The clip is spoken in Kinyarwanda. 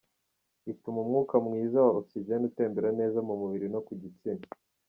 Ituma umwuka mwiza wa oxygen utembera neza mu mubiri no ku gitsina.